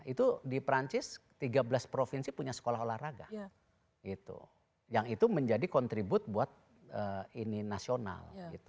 itu di perancis tiga belas provinsi punya sekolah olahraga yang itu menjadi kontribute buat ini nasional